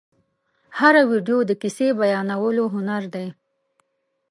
هره ویډیو د کیسې بیانولو هنر دی.